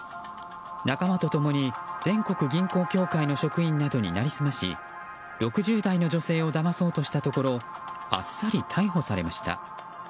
仲間とともに全国銀行協会の職員などに成り済まし６０代の女性をだまそうとしたところあっさり逮捕されました。